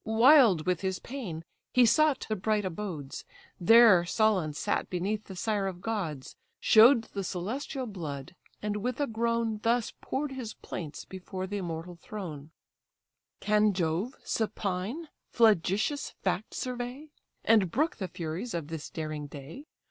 Wild with his pain, he sought the bright abodes, There sullen sat beneath the sire of gods, Show'd the celestial blood, and with a groan Thus pour'd his plaints before the immortal throne: "Can Jove, supine, flagitious facts survey, And brook the furies of this daring day?